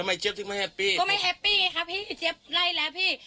ก็ไม่แฮปปี้ไงครับพี่เจ็บไรแล้วพี่